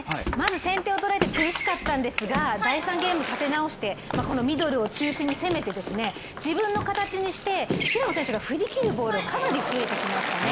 先手を取られて苦しかったんですが第３ゲーム立て直してこのミドルを中心に攻めて自分の形にして、平野選手が振り切るボールかなり増えてきましたね。